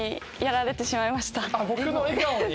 僕の笑顔に？